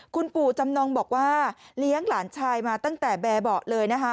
คุณปู่จำนองบอกว่าเลี้ยงหลานชายมาตั้งแต่แบบเบาะเลยนะคะ